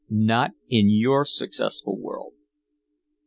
"Not in your successful world."